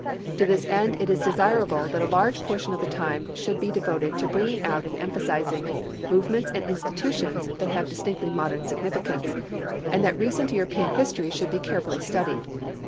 To this end it is desirable that a large proportion of the time should be devoted to bringing out and emphasizing movements and institutions that have distinctly modern significance, and that recent European history should be carefully studied.